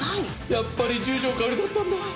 やっぱり十条かおりだったんだ。